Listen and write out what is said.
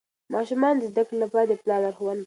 ماشومان د زده کړې لپاره د پلار لارښوونو ته اړتیا لري.